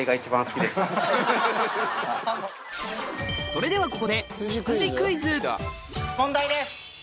それではここで問題です！